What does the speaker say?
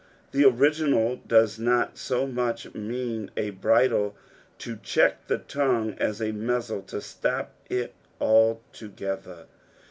The original does not so much mean a bridle to check the tongue aa a muzile to stop it altogether.